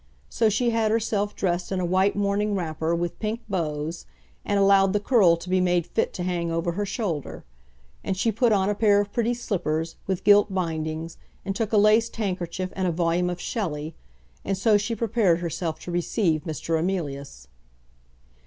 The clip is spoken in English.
So she had herself dressed in a white morning wrapper with pink bows, and allowed the curl to be made fit to hang over her shoulder. And she put on a pair of pretty slippers, with gilt bindings, and took a laced handkerchief and a volume of Shelley, and so she prepared herself to receive Mr. Emilius.